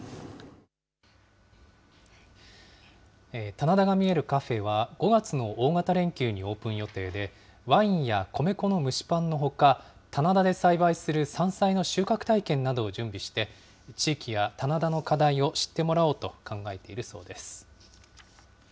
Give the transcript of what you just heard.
棚田が見えるカフェは、５月の大型連休にオープン予定で、ワインや米粉の蒸しパンのほか、棚田で栽培する山菜の収穫体験などを準備して、地域や棚田の課題を知ってもらおうと考えているそうです。